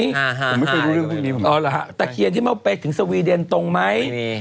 ผมไม่เคยรู้เรื่องพวกนี้ผมอ๋อหรอฮะแต่เขียนที่มาไปถึงสวีเดนตรงไหมไม่มี